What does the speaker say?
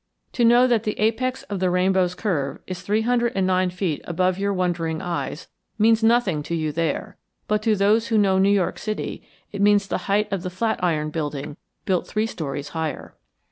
To know that the apex of the rainbow's curve is three hundred and nine feet above your wondering eyes means nothing to you there; but to those who know New York City it means the height of the Flatiron Building built three stories higher.